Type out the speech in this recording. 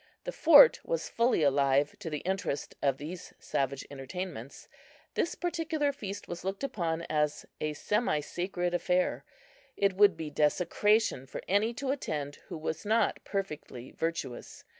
The fort was fully alive to the interest of these savage entertainments. This particular feast was looked upon as a semi sacred affair. It would be desecration for any to attend who was not perfectly virtuous.